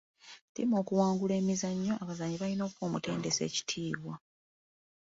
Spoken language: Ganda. Ttiimu okuwangula emizannyo, abazannyi balina okuwa omutendesi ekitiibwa.